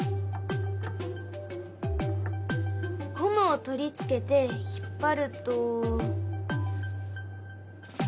ゴムを取り付けて引っ張ると。